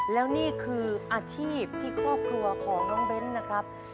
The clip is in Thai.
แล้วนี่คืออาชีพที่ครอบครัวของน้องเบ้นนะครับ